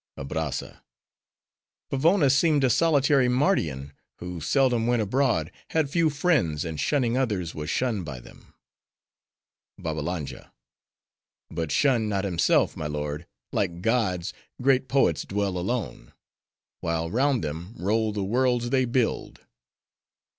ABRAZZA—Vavona seemed a solitary Mardian; who seldom went abroad; had few friends; and shunning others, was shunned by them. BABBALANJA—But shunned not himself, my lord; like gods, great poets dwell alone; while round them, roll the worlds they build.